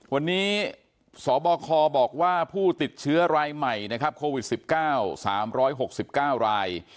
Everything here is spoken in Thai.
วันนี้สบคบอกว่าผู้ติดเชื้อรายใหม่นะครับโควิด๑๙๓๖๙ราย